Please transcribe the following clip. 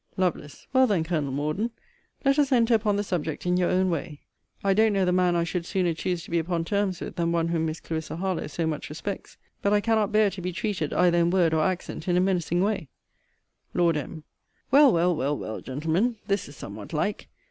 Lovel. Well then, Colonel Morden, let us enter upon the subject in your own way. I don't know the man I should sooner choose to be upon terms with than one whom Miss Clarissa Harlowe so much respects. But I cannot bear to be treated, either in word or accent, in a menacing way. Lord M. Well, well, well, well, gentlemen, this is somewhat like.